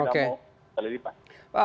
kalau tidak mau terlalu lipat